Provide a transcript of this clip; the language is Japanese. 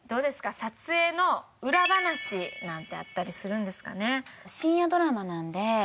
撮影の裏話なんてあったりするんですかね？